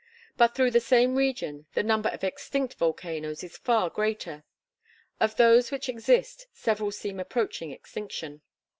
But through the same region the number of extinct volcanoes is far greater. Of those which exist several seem approaching extinction.